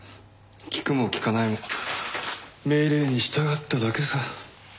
聞くも聞かないも命令に従っただけさ。